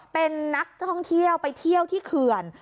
เป็นนักท่องเที่ยวไปเที่ยวที่เขื่อน